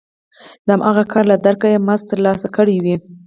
د هماغه کار له درکه یې مزد ترلاسه کړی وي